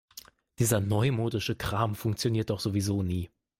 Dieser neumodische Kram funktioniert doch sowieso nie.